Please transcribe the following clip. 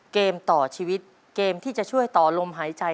เกมต่อชีวิตเกมที่จะช่วยต่อลมหายใจ